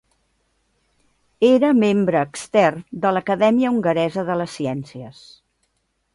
Era membre extern de l'Acadèmia Hongaresa de les Ciències.